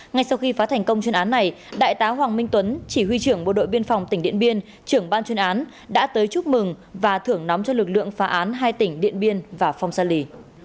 ngay sau khi phá thành công chuyên án này đại tá hoàng minh tuấn chỉ huy trưởng bộ đội biên phòng tỉnh điện biên trưởng ban chuyên án đã tới chúc mừng và thưởng nóng cho lực lượng phá án hai tỉnh điện biên và phong sa lì